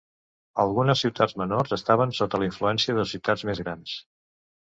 Algunes ciutats menors estaven sota la influència de ciutats més grans.